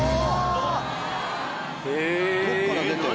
どっから出てんの？